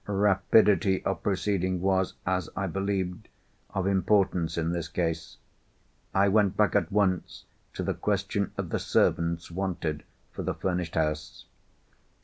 Rapidity of proceeding was, as I believed, of importance in this case. I went back at once to the question of the servants wanted for the furnished house.